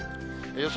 予想